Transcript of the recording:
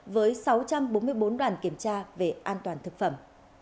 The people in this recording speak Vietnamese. với sáu trăm bốn mươi bốn đoàn kiểm tra về an toàn thực phẩm